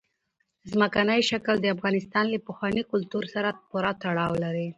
ځمکنی شکل د افغانستان له پخواني کلتور سره پوره تړاو لري.